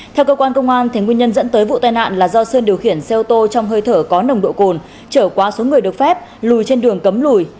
theo cơ quan công an nguyên nhân dẫn tới vụ tai nạn là do sơn điều khiển xe ô tô trong hơi thở có nồng độ cồn trở quá số người được phép lùi trên đường cấm lùi